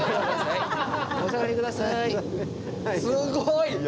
すごい！